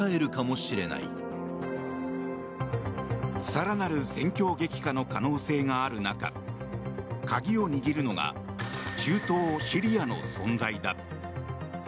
更なる戦況激化の可能性がある中鍵を握るのが中東シリアの存在だ。